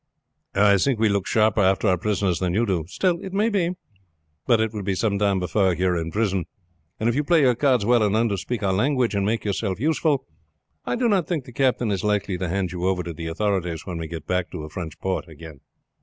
"I think we look sharper after our prisoners than you do; still it may be. But it will be some time before you are in prison; and if you play your cards well and learn to speak our language, and make yourself useful, I do not think the captain is likely to hand you over to the authorities when we get back to a French port again."